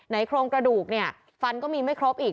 ในคลองกระดูกฟันก็มีไม่ครบอีก